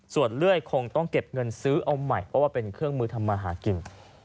ส่วนเลื่อยคงต้องเก็บเงินซื้อเอาใหม่เพราะว่าเป็นเครื่องมือทำมาหากิน